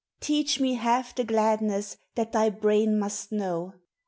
Tea cli me half the gladness That thy brain must know.